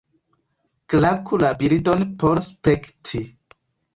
Klaku la bildon por spekti.